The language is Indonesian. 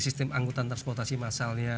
sistem anggutan transportasi masalnya